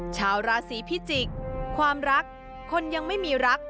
ชาวราศีพิจิกษ์ความรักคนยังไม่มีรัก